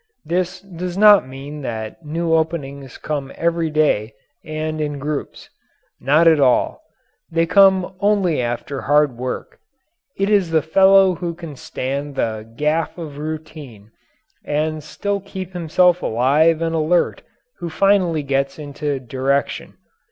This does not mean that new openings come every day and in groups. Not at all. They come only after hard work; it is the fellow who can stand the gaff of routine and still keep himself alive and alert who finally gets into direction.